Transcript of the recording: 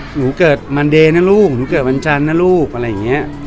หนูเกิดมันเดย์นะลูกหนูเกิดวันจันทร์นะลูกอะไรอย่างนี้